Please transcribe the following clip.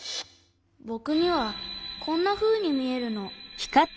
ぼくにはこんなふうにみえるの。